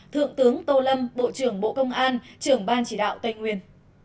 thượng tướng tô lâm bộ trưởng bộ công an trưởng ban chỉ đạo tây nguyên